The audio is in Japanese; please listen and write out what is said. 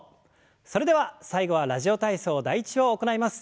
それでは最後は「ラジオ体操第１」を行います。